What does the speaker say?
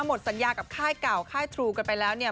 หมดสัญญากับค่ายเก่าค่ายทรูกันไปแล้วเนี่ย